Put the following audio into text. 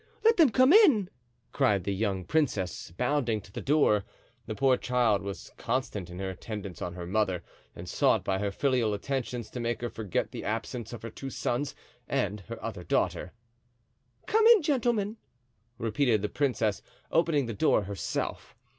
let them come in," cried the young princess, bounding to the door. The poor child was constant in her attendance on her mother and sought by her filial attentions to make her forget the absence of her two sons and her other daughter. "Come in, gentlemen," repeated the princess, opening the door herself.